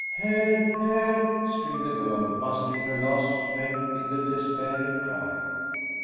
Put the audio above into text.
"Help, help!" screamed the girl, mustering her last strength in the despairing cry.